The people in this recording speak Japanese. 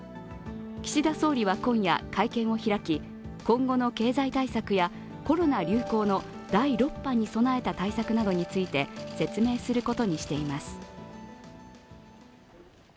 岸田総理は今夜、会見を開き、今後の経済対策やコロナ流行の第６波に備えた対策について説明することにしています。